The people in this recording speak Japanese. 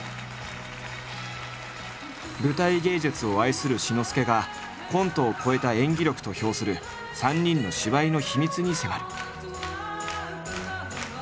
舞台芸術を愛する志の輔がコントを超えた演技力と評する３人の芝居の秘密に迫る。